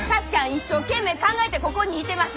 一生懸命考えてここにいてます。